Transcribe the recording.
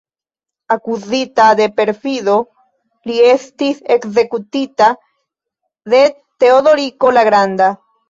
Akuzita de perfido, li estis ekzekutita de Teodoriko la Granda.